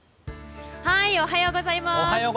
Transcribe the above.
おはようございます。